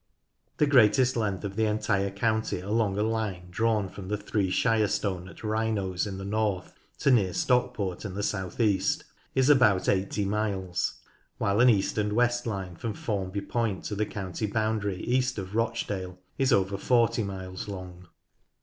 The greatest length of the entire county along a line drawn from the Three Shire Stone at Wrynose in the north to near Stockport in the south east is about 80 miles, while an east and west line from Formby Point to the county boundary east of Rochdale is over 40 miles long.